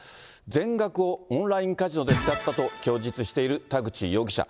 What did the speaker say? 全額をオンラインカジノで使ったと供述している田口容疑者。